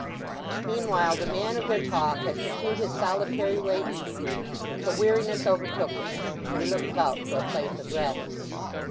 Meanwhile, the man of their talk had pursued his solitary way eastward till weariness overtook him, and he looked about for a place of rest.